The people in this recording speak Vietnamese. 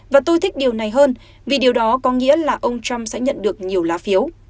và tôi thích điều này hơn vì điều đó có nghĩa là ông trump sẽ nhận được nhiều lá phiếu